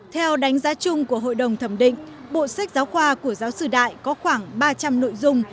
theo đánh giá chung của hội đồng thẩm định bộ sách giáo khoa của giáo sư đại có khoảng ba trăm linh nội dung